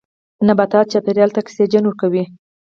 نباتات چاپیریال ته اکسیجن ورکوي